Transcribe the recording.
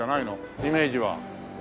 イメージは。